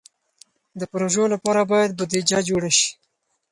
د پروژو لپاره باید بودیجه جوړه شي.